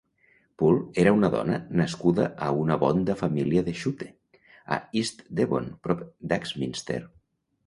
Poole era una dona nascuda a una bonda família de Shute a East Devon, prop d"Axminster.